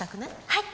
はい。